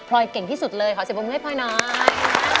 เก่งที่สุดเลยขอเสียบมุมให้พลอยหน่อย